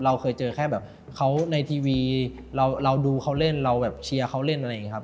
เราเคยเจอแค่แบบเขาในทีวีเราดูเขาเล่นเราแบบเชียร์เขาเล่นอะไรอย่างนี้ครับ